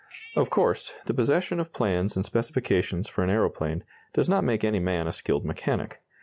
Of course, the possession of plans and specifications for an aeroplane does not make any man a skilled mechanic.